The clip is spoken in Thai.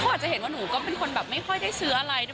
เขาอาจจะเห็นว่าหนูก็เป็นคนแบบไม่ค่อยได้ซื้ออะไรด้วย